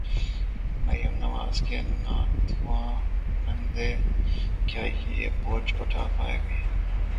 مریم نواز کے ناتواں کندھے، کیا یہ بوجھ اٹھا پائیں گے؟